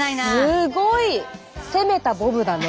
すごい攻めたボブだね。